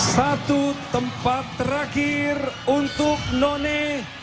satu tempat terakhir untuk none